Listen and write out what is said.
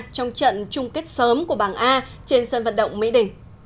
trong trận chung kết sớm của bảng a trên sân vận động mỹ đình